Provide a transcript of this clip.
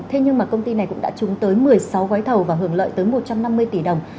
thế nhưng mà công ty này cũng đã trúng tới một mươi sáu gói thầu và hưởng lợi tới một trăm năm mươi tỷ đồng